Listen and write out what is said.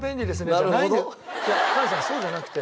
菅さんそうじゃなくて。